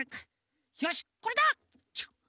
よしこれだ！